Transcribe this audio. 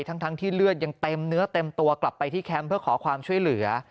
ทั้งที่เลือดยังเต็มเนื้อเต็มตัวกลับไปที่แคมป์เพื่อขอความช่วยเหลือ